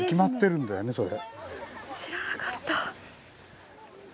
知らなかった。